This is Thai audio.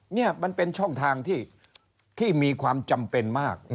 นี่มันเป็นช่องทางที่มีความจำเป็นมาก